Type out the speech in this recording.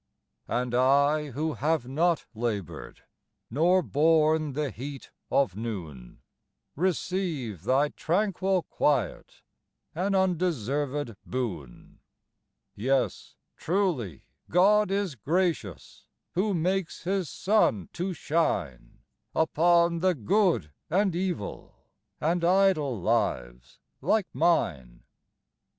And I, who have not laboured, Nor borne the heat of noon, Receive thy tranquil quiet An undeserved boon. Yes, truly God is gracious, Who makes His sun to shine Upon the good and evil, And idle lives like mine.